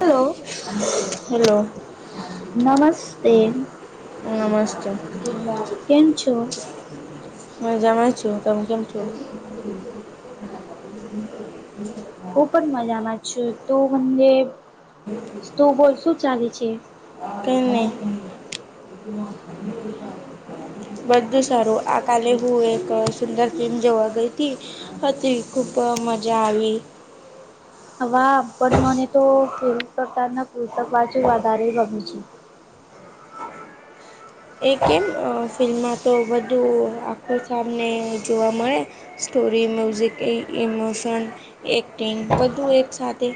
Hello hello. નમસ્તે નમસ્તે. કેમ છો મજામાં છું તમ કેમ છો? હું પણ મજામાં છું, તું મન કે તો બોલ શું ચાલે છે? કઈની. બધું સારું, આ કાલે હું એક સુંદર ફિલ્મ જોવા ગઈ તી. હતી ખૂબ મજા આવી. હવા બટ મને તો ફિલ્મ કરતાં પુસ્તક વાચું વધારે ગમે છે. એ કેમ અ ફિલ્મમાં તો બધું આખો સામને જોવા મળે. સ્ટોરી, મ્યુઝિક ઇ ઈમોશન, એક્ટિંગ બધું એક સાથે.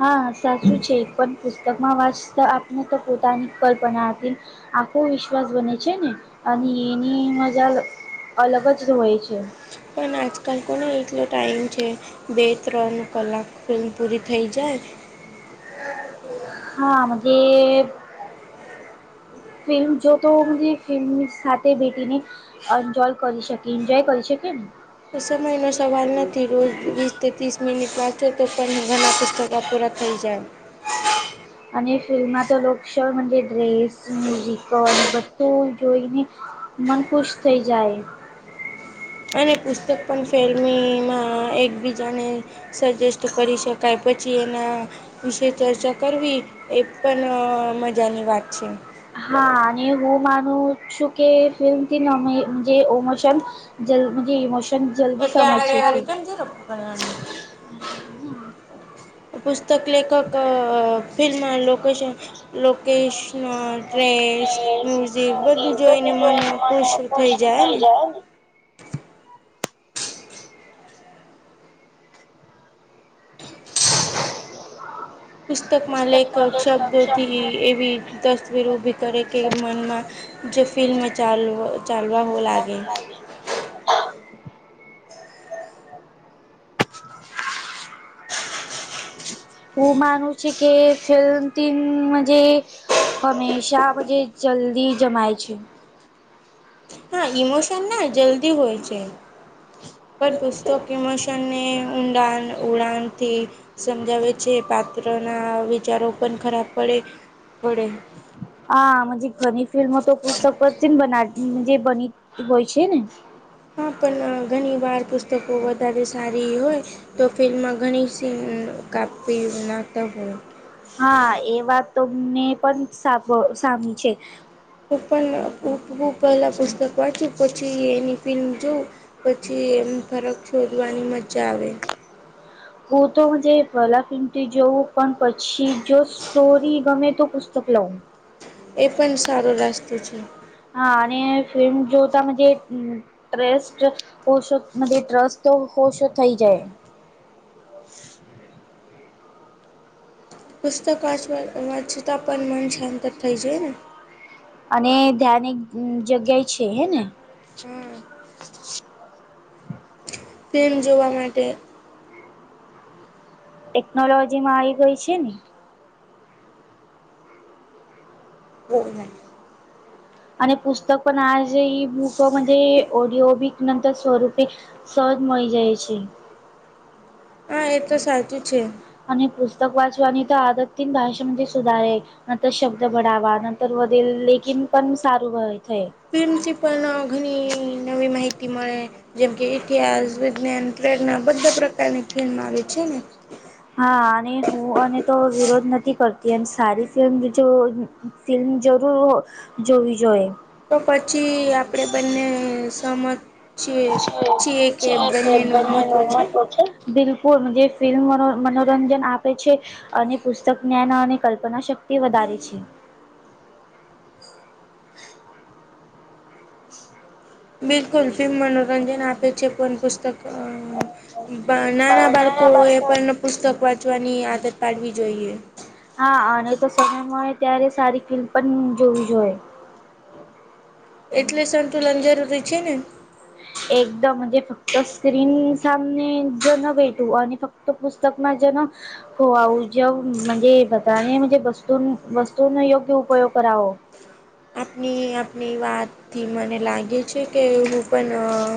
હા સાચું છે બટ પુસ્તકમાં વાંચતા આપણે તો પોતાની કલ્પના બનાવી આખો વિશ્વાસ જ બને છે ને અને એની મજા અલગ જ હોય છે. પણ આજકાલ કોનો એટલો ટાઈમ છે? બે ત્રણ કલાક ફિલ્મ પૂરી થઈ જાય. હા જે ફિલ્મ જો તો ફિલ્મની સાથે બેબીને એન્જોય કરી શકે એન્જોય કરી શકેન. તો સમયનો સવાલ નથી રોજ વીસ ત્રીસ મિનિટ વાંચો તો પણ ઘણાં પુસ્તકો પૂરાં થઈ જાય. અને ફિલ્મમાં તો લોકશાવ મંજે ડ્રેસ, મ્યુઝિકલ બધું જોઈને મન ખુશ થઈ જાય. અને પુસ્તક પણ ફેલ્મીમાં એકબીજાને સજેસ્ટ કરી શકાય પછી એના વિષે ચર્ચા કરવી એ પણ મજાની વાત છે. હા અને હું માનું છું કે ફિલ્મથી નોમિ જે ઓમોશન જલ્દી ઈમોશન જલ્દી એટલે સમજે આગળ છે. આગળ કેમ ઝીરો પકડવાનું પુસ્તક લેખક અ ફિલ્મ લોક કેશન લોકેશ અ ડ્રેસ, મ્યુઝિક બધું જોઈને મન ખુશ થઈ જાયને. [inaudible] પુસ્તકમાં લેખક શબ્દોથી એવી તસવીર ઊભી કરે કે મનમાં જ ફિલ્મમાં ચાલ ચાલવાઓ લાગે. હું માનું છે કે ફિલ્મથી નમા જે હંમેશા જે જલ્દી જમાય છે. હા ઈમોશન ના હોય જલ્દી હોય છે. પણ પુસ્તક ઈમોશનને ઊંડાણ ઉડાનથી સમજાવે છે પાત્રના વિચારો પણ ખરાબ પડે પડે હા મજે ઘની ફિલ્મ તો પુસ્તક પરથી બના મજે બની હોય છે ને હા પણ ઘણી વાર પુસ્તકો વધારે સારી હોય તો ફિલ્મમાં ઘણી સીન કાપી નાખતા હોય હા એ વાત તમને પણ સા સામી છે હું પણ ઉભું પહેલા પુસ્તક વાંચુ પછી એની પીન જોઉં પછી એમ ફરક શોધવાની મજા આવે ઉ તો જે પલા પિમટી જોવું પણ પછી જો સ્ટોરી ગમે તો પુસ્તક લઉ એ પણ સારો રાસ્તો છે હા અને ફિલ્મ જો તમે જે ટ્રેસ્ટ [unintelligible] ટ્રસ તો ઓસો થઈ જાય પુસ્તક વાંચવા વાચશું તો આ પણ મન શાંત થઈ જાઈ ને અને ધ્યાન એક જગ્યાએ છે હે ને હા [inaudible] તેમ જોવા માટે ટેકનોલોજી માં આવી ગઈ છે ને ઓ હ અને પુસ્તક પણ આજ ઈ બુક મદે ઓડિયો બીક નંતર સ્વરૂપે સજ મળી જાય છે હા એ તો સાચું છે અને પુસ્તક વાંચવાની તો આદત ભાષામાંથી સુધારે નંતર શબ્દ બડાવા નંતર વધેલ લેગિન પણ સારું હો થય પ્રિન્સિપલ ના ઘણી નવી માહિતી મળે જેમ કે ઇતિહાસ વિજ્ઞાન પ્રેરણા બધા પ્રકારની ફિલ્મ આવે છે ને હા અને હું અને તો વિરોધ નથી કરતી એમ સારી ફિલ્મ જો ફિલ્મ જરૂર હો જોવી જોઈએ તો પછી આપડે બંને સમ [inaudible] બંનેનું બંને મહત્ત્વ નું મહત્વ છે બિલકુલ જે ફિલ્મ મનોરંજન આપે છે અને પુસ્તક જ્ઞાન અને કલ્પના શક્તિ વધારે છે બિલકુલ ફિલ્મ મનોરંજન આપે છે પણ પુસ્તક નાના બાળકો એ પણ પુસ્તક વાંચવાની આદત પાડવી જોઈએ હા અને તો સમય મળે ત્યારે સારી ફિલ્મ પણ જોવી જોઈએ એટલે સંતુલન જરૂરી છે ને [inaudible] એકદમ જ ફક્ત સ્ક્રીન સામન જ ન ભેટું અને ફક્ત પુસ્તક માજ ન હોઆઉ જ મંજે બધાને મંજે બસ તું વસ્તુનો યોગ્ય ઉપયોગ કરવો આપણી આપણી વાત થી મને લાગે છે કે હું પણ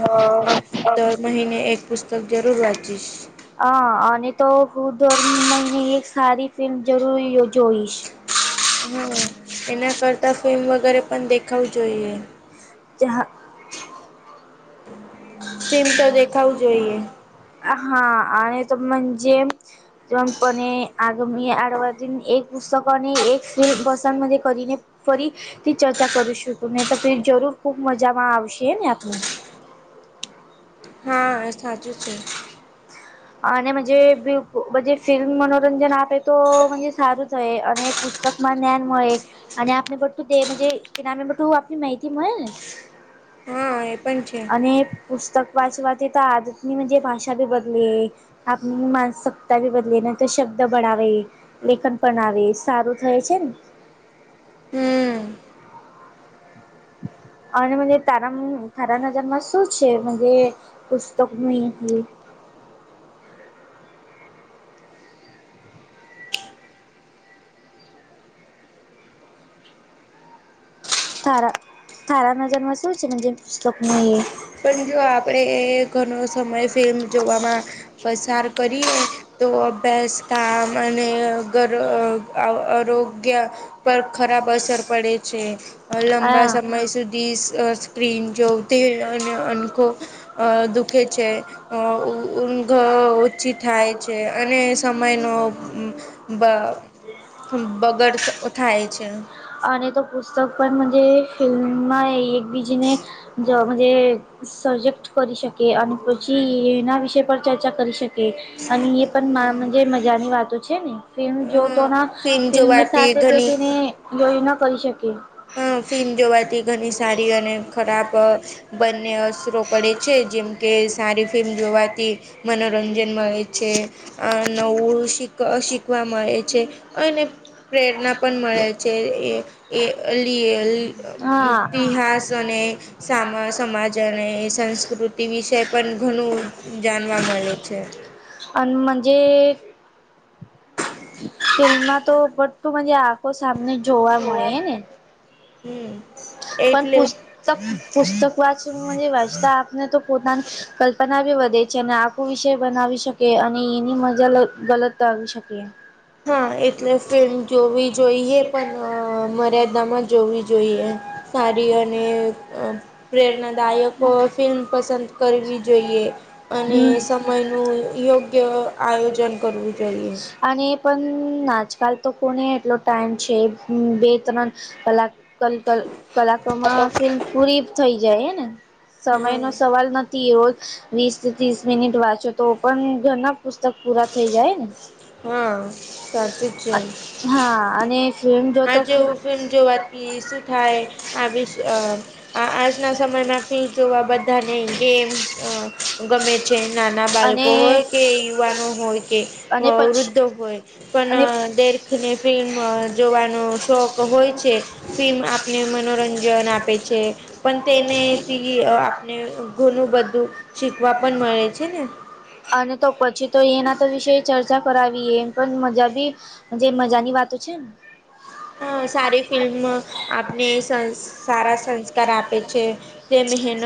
દર મહિને એક પુસ્તક જરૂર વાંચીશ હ અને તો હું દર મહિને એક સારી ફિલ્મ જરૂરી જોઈશ હા એના કરતા ફિલ્મ વગેરે પણ દેખાવું જોઈએ [unintelligible] સિમ તો દેખાવું જોઈએ. હા [unintelligible] [unintelligible] ફરીથી ચર્ચા કરશું તું નહી તો જરૂર ખુબ મજામાં આવશે ને આપણે હા સાચું છે. આને [unintelligible] [unintelligible] ફિલ્મ મનોરંજન આપે તો સારું થાય અને પુસ્તકમાં જ્ઞાન મળે અને આપણે [unintelligible] આપની માહિતી મળે ને હા એ પણ છે અને પુસ્તક વાચવાથી તો આદતની જે ભાષા બી બદલે આપની માનસિકતા બી બદલે [unintelligible] લેખન પણ આવે સારું થાય છે ને હમ અને મ તારા તારા નજરમાં શું છે પુસ્તક [unintelligible] થારા થારા નજર મા [unintelligible] પણ જો આપણેે ઘણો સમય ફિલ્મ જોવામાં પસાર કરીએ તો અભ્યાસ કામ અને અ આરોગ્ય પર ખરાબ અસર પડે છે. લંબા હા સમય સુધી સ્ક્રીન જોવ [unintelligible] દુઃખે છે [unintelligible] થાય છે અને સમયનો બ બગડ થાય છે. આને તો પૂછ [unintelligible] ફિલ્મમાં એકબીજીને જો સજેક્ટ કરી શકે અને પછી એના વિષય પર ચર્ચા કરી શક કીએ અને એ પણ મજાની વાતો છે હમ [unintelligible] ફિલ્મ [unintelligible] જોવાથી ઘણી ન કરી શકે ફિલ્મ જોવાથી ઘણી સારી અને ખરાબ બંને અસરો પડે છે જેમ કે સારી ફિલ્મ જોવાથી મનોરંજન મળે છે. નવું શીખ શીખવા મળે છે અને પ્રેરણા પણ મળે છે એ એ [unintelligible] હા ઇતિહાસ અને સામા સમાજ અને સંસ્કૃત [unintelligible] વિષય પણ ઘણું જાણવા મળે છે. અન મજે ફિલ્માં તો [unintelligible] આંખો સામને જોવા [unintelligible] હમ પણ એટલે પુસ્તક પુસ્તક વાચ વાચતા આપને તો પોતાની કલ્પના બી વધે છે અને આખું વિષય બનાવી શકી અને એની મજા ગલત આવી શકે. હા એટલે ફિલ્મ જોવી જોઈએ પણ મર્યાદામાં જ જોવી જોઈએ સારી અને પ્રેરણાદાયકો ફિલ્મ પસંદ કરવી જોઈએ અને હમ સમયનું યોગ્ય આયોજન કરવું જોઈએ. અને પણ આજકાલ તો કોણે એટલો ટાઈમ છે બે ત્રણ કલાક ક કલાકો માં ફિલ્મ પૂરી થઇ જાય હે ને સમય હા નો સવાલ નથ [unintelligible] રોજ વીસથી ત્રીસ મિનિટ વાંચો તો પણ ઘના પુસ્તક પૂરા થઈ જાય ને હા સાચું જ છે હા અને ફિલ્મ જોતો આજે હું ફિલ્મ જોવાથી શું થાય આ વિસ અ આજના સમયમાં ફી જોવા બધાને ગેમ ગમે જે નાના બાળકો અને હોય કે યુવાનો હોય કે અને વૃદ્ધો હોય અને પણ દેર્ખને ફિલ્મ જોવાનો શોખ હોય છે ફીમ આપને મનોરંજન આપે છે પણ તેને ફી આપણે ઘુણું બધું શીખવા પણ મળે છે ને અને તો પછી તો એના તો વિષ ચર્ચા કરાવીએ પણ મજા બી જે મજાની વાતો છે ને હ સારી ફિલ્મ મં આપને સન સારા સંસ્કાર આપે છે તે મહેનત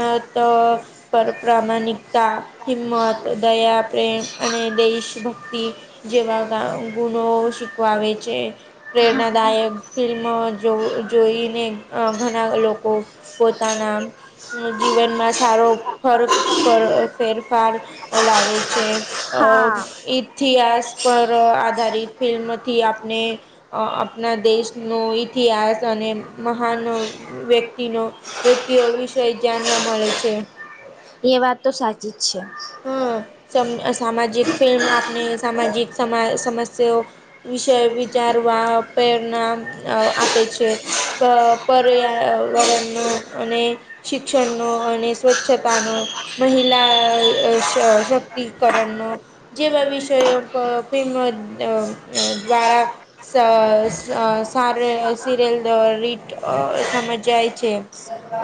પર પ્રામાણિકતા હિંમત દયા પ્રેમ અને દેશ ભક્તિ જેવા ગુણો શીખવાવે છે પ્રેરણાદાયક ફિલ્મ જો જોઈને ઘણા લોકો પોતાના જીવનમાં સારો ફર ફેરફાર લાવે છે અ હા ઇતિહાસ પર આધારિત ફિલ્મથી આપણે અ દેશનું ઇઠ ઇતિહાસ અને મહાન વ્યક્તિનો વ્યક્તિઓ વિષ જાણવા મળે છે એ વાત તો સાચી જ છે હ સ સામાજિક ફિલ્મ આપને સામાજિક સા સમસ્યાઓ વિષય વિચારવા પ્રેરણા ને આપે છે પર્યાવરણનો અને શિક્ષણ નો અને સ્વચ્છતા નો મહિલા શ શક્તિકરણનો જેવા વિષયો પર ફિલ્મ અ દ્વારા શ શ સર સિરિયલ રીટ સમજાય છે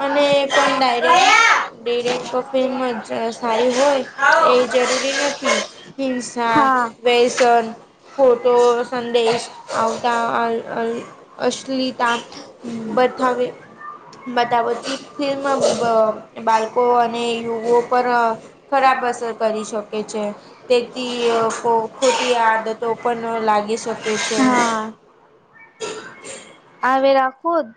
અને પણ ડાયરે ડિરેક્ટ ફિલ્મ જ સારી હોય એ જરૂરી નથી હિંસા હા વ્યસન ખોટો સંદેશ આવતા અ અશ્લીિતા બતાવે બધા બધી ફિલ્મ અ બાળકો અને યુવો પર ખરાબ અસર કરી શકે છે તેથી ખોટી આદત તો પણ લાગી શકે છે. આવેરા ખુદ.